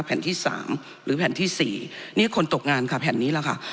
แผ่นที่สามหรือแผ่นที่๔นี่คนตกงานค่ะแผ่นนี้แหละค่ะ